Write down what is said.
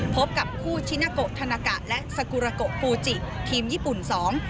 พบกับคู่ชินาโกธนากะและสกุราโกฟูจิทีมญี่ปุ่นสอง